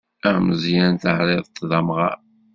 Ameẓyan terriḍ-t d amɣar.